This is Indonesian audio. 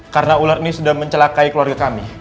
karena ular ini sudah mencelakai keluarga kami